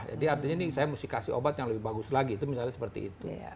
jadi artinya ini saya mesti kasih obat yang lebih bagus lagi itu misalnya seperti itu